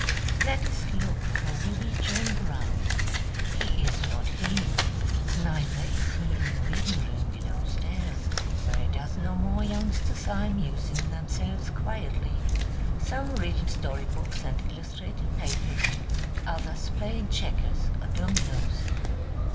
Let us look for wee Joe Brown; he is not here, neither is he in the reading room below stairs, where a dozen or more youngsters are amusing themselves quietly, some reading story books and illustrated papers, others playing checkers or dominos.